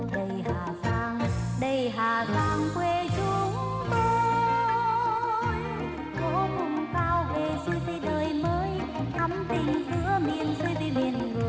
bài hát hà giang quê tôi là một đặc trưng